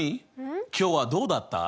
今日はどうだった？